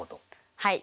はい。